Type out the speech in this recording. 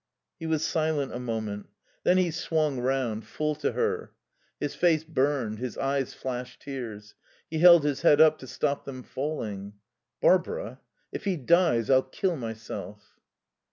He was silent a moment. Then he swung round, full to her. His face burned, his eyes flashed tears; he held his head up to stop them falling. "Barbara if he dies, I'll kill myself."